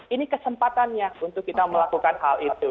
ini kesempatannya untuk kita melakukan hal itu